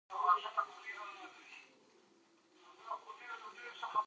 په مینه یې روښانه وساتئ.